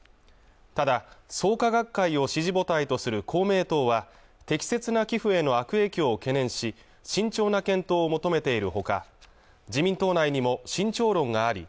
ただ創価学会を支持母体とする公明党は適切な寄付への悪影響を懸念し慎重な検討を求めているほか自民党内にも慎重論があり